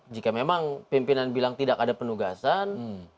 jika memang pimpinan bilang tidak ada penugasan